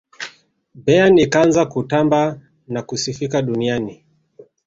bayern ikaanza kutamba na kusifika duniani